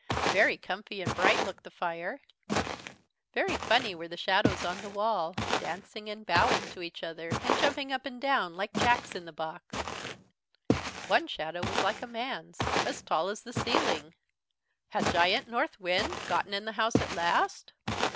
Very comfy and bright looked the fire. Very funny were the shadows on the wall, dancing and bowing to each other and jumping up and down like Jacks in the Box. One shadow was like a man's, as tall as the ceiling. Had Giant Northwind gotten in the house at last!